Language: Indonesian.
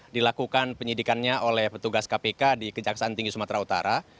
dilakukan penyidikannya oleh petugas kpk di kejaksaan tinggi sumatera utara